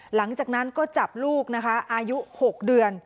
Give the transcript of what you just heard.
หลังจากนั้นก็จับลูกนะคะอายุ๖เดือน